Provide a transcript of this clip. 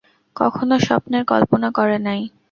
কখনও স্বপ্নেও কল্পনা করে নাই।